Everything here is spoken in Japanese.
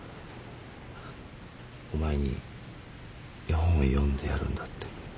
お前に絵本を読んでやるんだって。